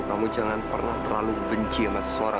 kamu jangan pernah terlalu benci sama suara